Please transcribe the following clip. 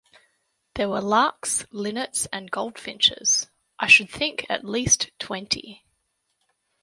There were larks, linnets, and goldfinches — I should think at least twenty.